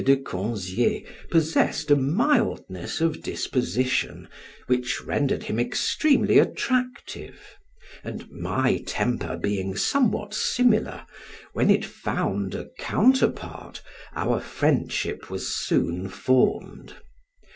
de Conzie possessed a mildness of disposition which rendered him extremely attractive, and my temper being somewhat similar, when it found a counterpart, our friendship was soon formed.